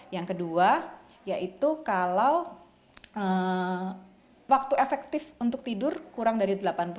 yang kedua yaitu kalau waktu efektif untuk tidur kurang dari delapan puluh